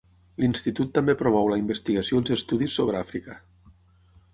L'institut també promou la investigació i els estudis sobre Àfrica.